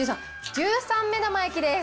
１３目玉焼きです。